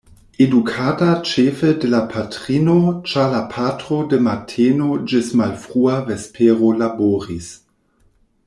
Edukata ĉefe de la patrino, ĉar la patro de mateno ĝis malfrua vespero laboris.